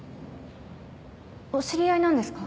お知り合いなんですか？